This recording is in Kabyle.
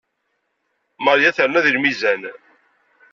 Maria terna deg lmizan.